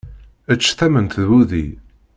Ečč tamment d wudi!